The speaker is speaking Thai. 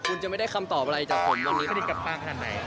คุณจะไม่ได้คำตอบอะไรจากผม